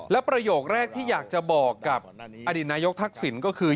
และประโยคแรกที่อยากจะบอกกับอดีตนายกทักษิณก็คือ